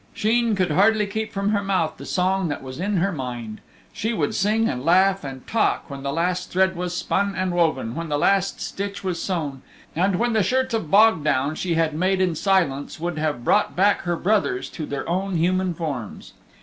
Sheen could hardly keep from her mouth the song that was in her mind. She would sing and laugh and talk when the last thread was spun and woven, when the last stitch was sewn, and when the shirts of bog down she had made in silence would have brought back her brothers to their own human forms.